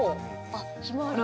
あっひまわりだ。